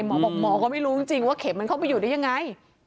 หมอบอกหมอก็ไม่รู้จริงว่าเข็มมันเข้าไปอยู่ได้ยังไง